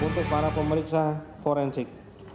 untuk para pemeriksa forensik